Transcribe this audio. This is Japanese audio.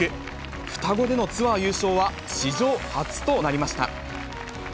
双子でのツアー優勝は史上初となりました。